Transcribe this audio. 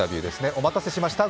お待たせしました。